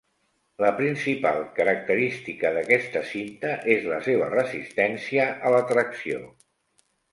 La principal característica d'aquesta cinta és la seva resistència a la tracció.